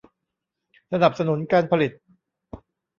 สนับสนุนการผลิต